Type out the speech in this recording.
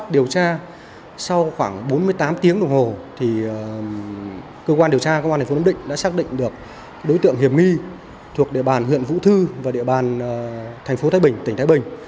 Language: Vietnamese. điều tra công an tp nam định đã xác định được đối tượng hiểm nghi thuộc địa bàn huyện vũ thư và địa bàn tp thái bình tỉnh thái bình